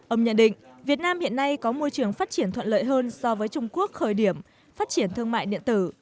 ông nhận định việt nam hiện nay có môi trường phát triển thuận lợi hơn so với trung quốc khởi điểm phát triển thương mại điện tử